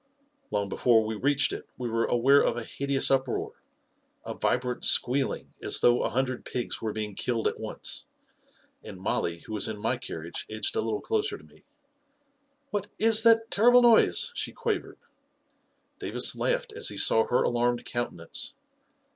Long before we reached it, we were aware of a hideous uproar — a vibrant squealing, as though a hundred pigs were being killed at once ; and Mollie, who was in my carriage, edged a little closer to me. 11 What is that terrible noise? " she quavered. Davis laughed as he saw her alarmed countenance.